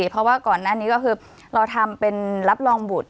เพราะว่าก่อนหน้านี้ก็คือเราทำเป็นรับรองบุตร